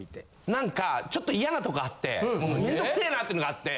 何かちょっと嫌なとこあってもうめんどくせぇなってのがあって。